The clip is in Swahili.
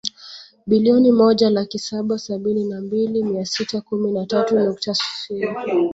Bilioni moja laki saba sabini na mbili mia sita kumi na tatu nukta sifuri